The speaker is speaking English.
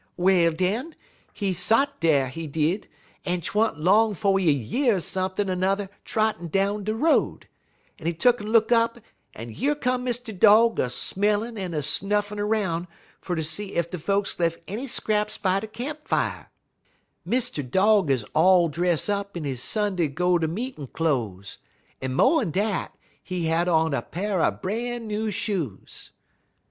"Well, den, he sot dar, he did, en 't wa'n't long 'fo' he year sump'n' 'n'er trottin' down de road, en he tuck'n look up en yer come Mr. Dog a smellin' en a snuffin' 'roun' fer ter see ef de folks lef' any scraps by der camp fier. Mr. Dog 'uz all dress up in his Sunday go ter meetin' cloze, en mo'n dat, he had on a pa'r er bran new shoes.